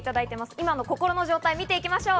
今の心の状態を見ていきましょう。